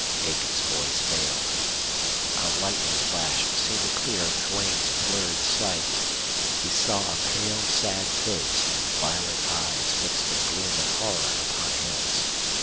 Aiken's voice failed. A lightning flash seemed to clear Duane's blurred sight. He saw a pale, sad face and violet eyes fixed in gloom and horror upon his.